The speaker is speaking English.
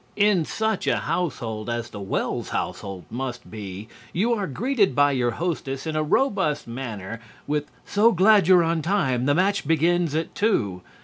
In such a household as the Wells household must be you are greeted by your hostess in a robust manner with "So glad you're on time. The match begins at two."